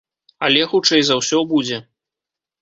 Але, хутчэй за ўсё, будзе.